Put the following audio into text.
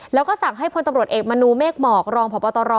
แล้วก็สั่งให้พลตำรวจเอกมนูเมฆหมอกรองพบตร